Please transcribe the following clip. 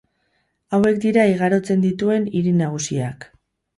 Hauek dira igarotzen dituen hiri nagusiak.